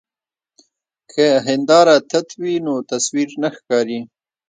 که هنداره تت وي نو تصویر نه ښکاري.